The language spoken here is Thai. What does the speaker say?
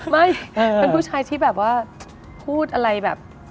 ไม่เป็นผู้ชายที่แบบว่าพูดอะไรแบบ